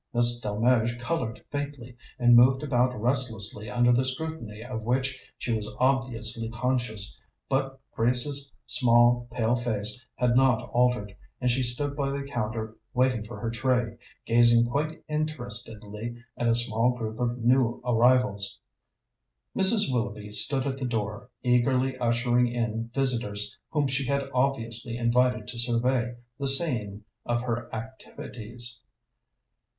Miss Delmege coloured faintly, and moved about restlessly under the scrutiny of which she was obviously conscious, but Grace's small, pale face had not altered, and she stood by the counter waiting for her tray, gazing quite interestedly at a small group of new arrivals. Mrs. Willoughby stood at the door, eagerly ushering in visitors whom she had obviously invited to survey the scene of her activities.